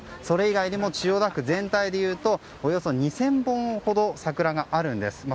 それ以外にも千代田区全体でおよそ２０００本ほど桜があるんです。